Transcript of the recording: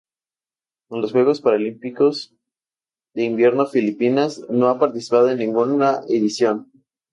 En los Juegos Paralímpicos de Invierno Filipinas no ha participado en ninguna edición.